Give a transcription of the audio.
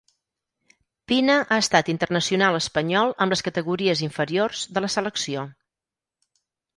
Pina ha estat internacional espanyol amb les categories inferiors de la selecció.